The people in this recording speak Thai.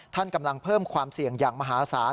ท่านกำลังเพิ่มความเสี่ยงอย่างมหาศาล